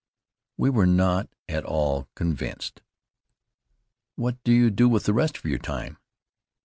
We were not at all convinced. "What do you do with the rest of your time?"